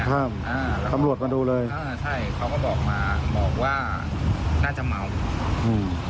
อ่าแล้วตำรวจมาดูเลยอ่าใช่เขาก็บอกมาบอกว่าน่าจะเมาอืม